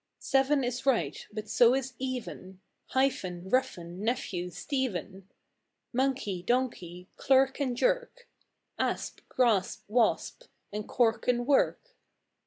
Seven is right, but so is even; Hyphen, roughen, nephew, Stephen; Monkey, donkey; clerk and jerk; Asp, grasp, wasp; and cork and work.